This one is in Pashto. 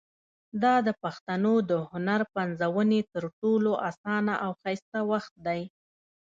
دا د پښتنو د هنر پنځونې تر ټولو اسانه او ښایسته وخت دی.